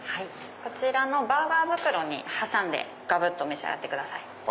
こちらのバーガー袋に挟んでがぶっと召し上がってください。